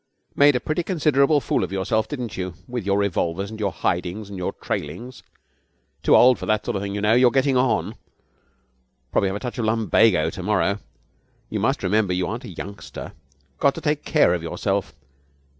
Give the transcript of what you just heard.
'Made a pretty considerable fool of yourself, didn't you, with your revolvers and your hidings and your trailings? Too old for that sort of thing, you know. You're getting on. Probably have a touch of lumbago to morrow. You must remember you aren't a youngster. Got to take care of yourself.